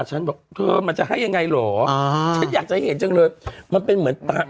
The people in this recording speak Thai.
ฉันบอกเธอมันจะให้ยังไงเหรออ่าฉันอยากจะเห็นจังเลยมันเป็นเหมือนตา